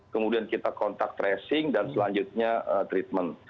kemudian kita kontak tracing dan selanjutnya treatment